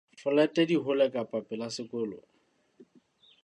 Folete di hole kapa pela sekolo?